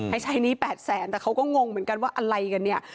ให้ใช้หนี้๘แสนแต่เขาก็งงเหมือนกันว่าอะไรกันเนี่ย